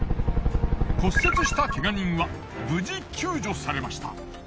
骨折したけが人は無事救助されました。